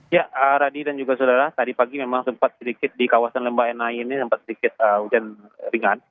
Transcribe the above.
ya radi dan juga saudara tadi pagi memang sempat sedikit di kawasan lemba enai ini sempat sedikit hujan ringan